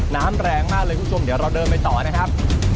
น้ำแรงมากเลยคุณผู้ชมเดี๋ยวเราเดินไปต่อนะครับ